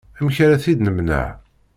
Amek ara t-id-nemneɛ?